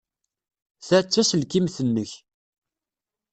Ta d taselkimt-nnek.